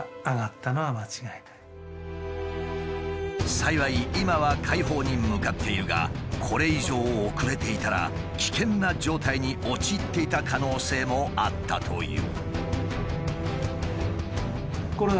幸い今は快方に向かっているがこれ以上遅れていたら危険な状態に陥っていた可能性もあったという。